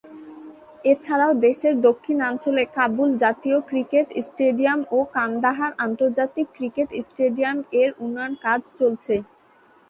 এছাড়াও দেশের দক্ষিণাঞ্চলে কাবুল জাতীয় ক্রিকেট স্টেডিয়াম ও কান্দাহার আন্তর্জাতিক ক্রিকেট স্টেডিয়াম এর উন্নয়ন কাজ চলছে।